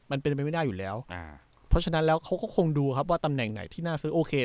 มันเป็นไปไม่ได้อยู่แล้วอ่าเพราะฉะนั้นแล้วเขาก็คงดูครับว่าตำแหน่งไหนที่น่าซื้อโอเค